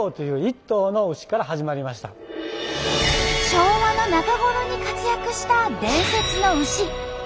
昭和の中頃に活躍した伝説の牛田尻号。